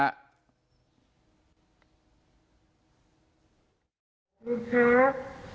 ครับ